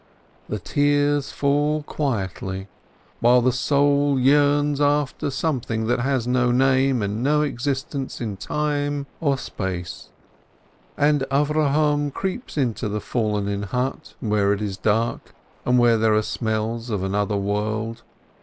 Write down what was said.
There the tears fall quietly, while the soul yearns after some thing that has no name and no existence in time or space. And Avrohom creeps into the fallen in hut, where it is dark and where there are smells of another world.